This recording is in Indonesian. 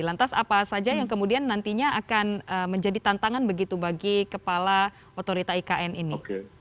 lantas apa saja yang kemudian nantinya akan menjadi tantangan begitu bagi kepala otorita ikn ini